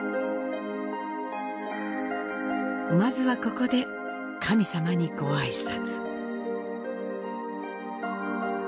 まずはここで、神様にご挨拶。